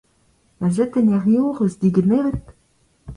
Kazetenn hiziv 'c'h eus degemeret ?